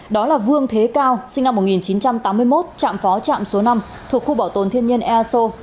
đó là vương thế cao sinh năm một nghìn chín trăm tám mươi một trạm phó trạm số năm thuộc khu bảo tồn thiên nhiên ea sô